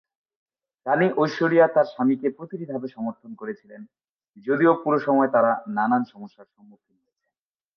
রাণী ঐশ্বরিয়া তার স্বামীকে প্রতিটি ধাপে সমর্থন করেছিলেন, যদিও পুরো সময়ে তারা নানান সমস্যার সম্মুখীন হয়েছেন।